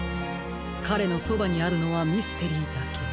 かれのそばにあるのはミステリーだけ。